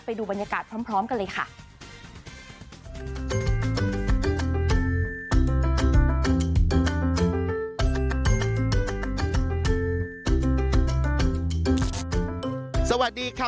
ไปดูบรรยากาศพร้อมกันเลยค่ะ